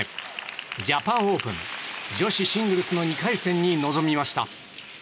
ジャパンオープン女子シングルス２回戦に臨みました。